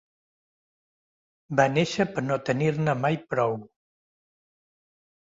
Va néixer per no tenir-ne mai prou.